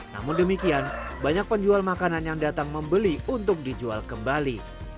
namun demikian banyak penjual makanan yang datang membeli untuk dijual kembali